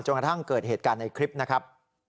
กระทั่งเกิดเหตุการณ์ในคลิปนะครับ